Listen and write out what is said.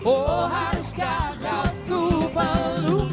oh haruskah kau ku peluk